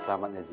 selamat pak ji